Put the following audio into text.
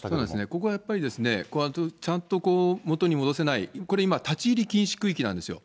ここはやっぱりですね、ちゃんと元に戻せない、これ今、立ち入り禁止区域なんですよ。